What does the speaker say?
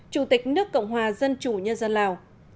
chủ tịch nước cộng hòa dân chủ nhân dân lào